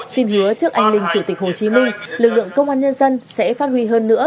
xin hứa trước anh linh chủ tịch hồ chí minh lực lượng công an nhân dân sẽ phát huy hơn nữa